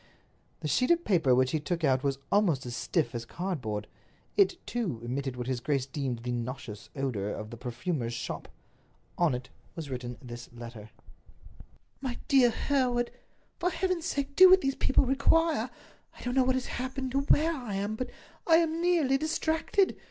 The sheet of paper which he took out was almost as stiff as cardboard. It, too, emitted what his grace deemed the nauseous odors of the perfumer's shop. On it was written this letter: "MY DEAR HEREWARD—For Heaven's sake do what these people require! I don't know what has happened or where I am, but I am nearly distracted!